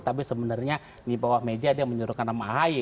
tapi sebenarnya di bawah meja dia menyerahkan nama ahi